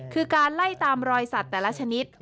คือการไล่ตามรอยสัตว์แต่ละชนิด